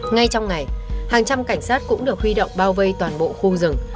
ngay trong ngày hàng trăm cảnh sát cũng được huy động bao vây toàn bộ khu rừng